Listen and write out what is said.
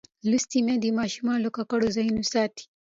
لوستې میندې ماشوم له ککړو ځایونو ساتي.